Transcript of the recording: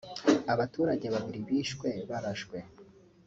Abaturage babiri bishwe barashwe